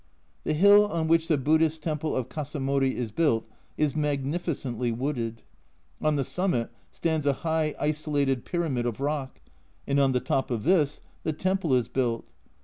The hill on which the Buddhist temple of Kasamori is built is magnificently wooded ; on the summit stands a high isolated pyramid of rock, and on the top of this the temple is built.